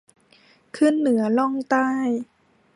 ขึ้นเหนือล่องใต้